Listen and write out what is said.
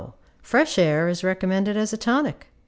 fresh air is recommended as a tonic.